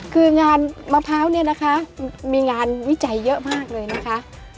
คืองานมะพร้าวเนี่ยนะคะมีงานวิจัยเยอะมากเลยนะคะ